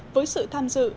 với sự tham dự